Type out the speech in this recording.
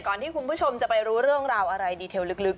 ที่คุณผู้ชมจะไปรู้เรื่องราวอะไรดีเทลลึก